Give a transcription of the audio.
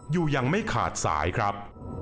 อยู่ยังไม่ขาดสายครับ